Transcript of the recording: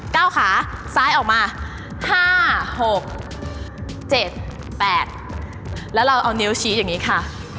เก้าขาซ้ายออกมาห้าหกเจ็ดแปดแล้วเราเอานิ้วชี้อย่างนี้ค่ะ